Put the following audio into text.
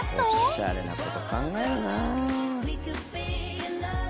おしゃれなこと考えんなあ。